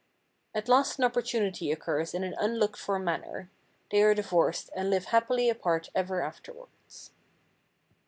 At last an opportunity occurs in an unlooked for manner. They are divorced and live happily apart ever afterwards.